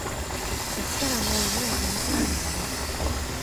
そしたらもう目を覚まさないんだね